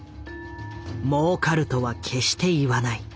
「もうかる」とは決して言わない。